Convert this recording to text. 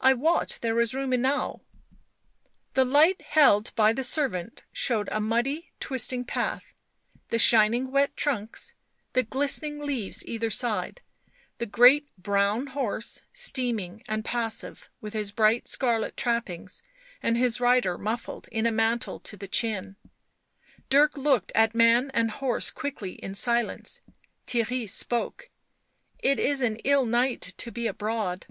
I wot there is room enow." The light held by the servant showed a muddy, twisting path, the shining wet trunks, the glistening leaves either side, the great brown horse, steaming and passive, with his bright scarlet trappings and his rider muffled in a mantle to the chin : Dirk looked at man and horse quickly in silence; Theirry spoke. " It is an ill night to be abroad."